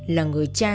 là người cha